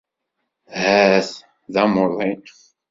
Hat d amuḍin